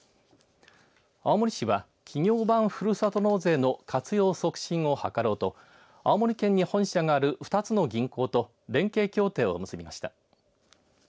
青森市は企業版ふるさと納税の活用促進を図ろうと青森県に本社がある２つの銀行と連携協定を結びました。